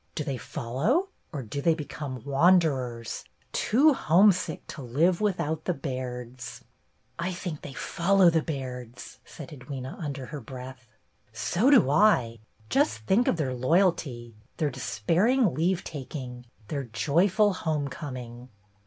Do they follow ? Or do they become wanderers, too homesick to live without the Bairds ?" "I think they follow the Bairds," said Edwyna, under her breath. "So do I ! Just think of their loyalty, their despairing leave taking, their joyful home coming